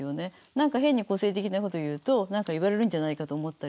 何か変に個性的なこと言うと何か言われるんじゃないかと思ったりする。